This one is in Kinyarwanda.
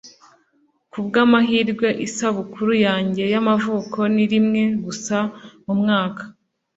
Kubwamahirwe, isabukuru yanjye y'amavuko ni rimwe gusa mumwaka